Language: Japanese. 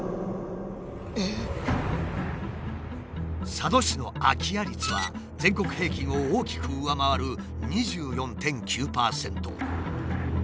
佐渡市の空き家率は全国平均を大きく上回る２４．９％。